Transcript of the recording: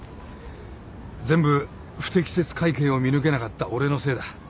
全部不適切会計を見抜けなかった俺のせいだ。